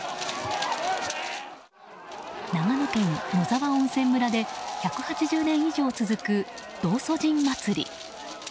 長野県野沢温泉村で１８０年以上続く道祖神祭り。